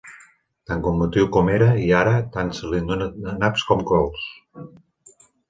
Tan combatiu que era, i, ara, tant se li'n dona naps com cols.